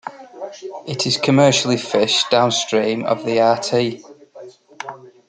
It is commercially fished downstream of the Rt.